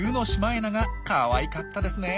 かわいかったですね。